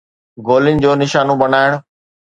گولين جو نشانو بڻائڻ